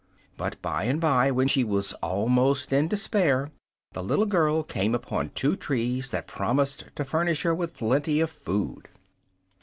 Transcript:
But, bye and bye, when she was almost in despair, the little girl came upon two trees that promised to furnish her with plenty of food.